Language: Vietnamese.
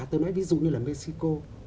tôi nói ví dụ như là mexico